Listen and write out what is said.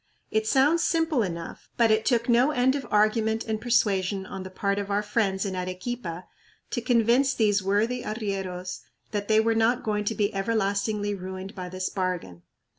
It sounds simple enough but it took no end of argument and persuasion on the part of our friends in Arequipa to convince these worthy arrieros that they were not going to be everlastingly ruined by this bargain.